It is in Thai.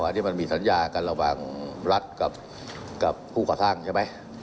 อันนี้มันมีสัญญากันระหว่างรัฐกับผู้ก่อสร้างใช่ไหม